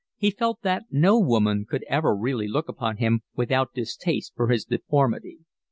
He felt that no woman could ever really look upon him without distaste for his deformity.